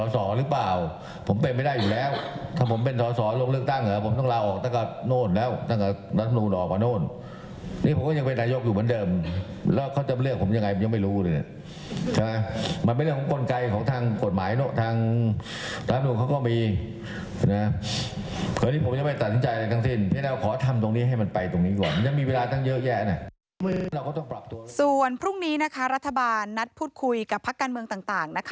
ส่วนพรุ่งนี้นะคะรัฐบาลนัดพูดคุยกับพักการเมืองต่างนะคะ